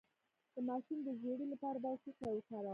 د ماشوم د ژیړي لپاره باید څه شی وکاروم؟